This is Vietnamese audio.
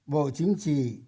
bộ chính trị